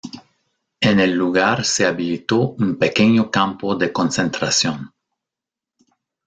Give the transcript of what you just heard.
En el lugar se habilitó un pequeño campo de concentración.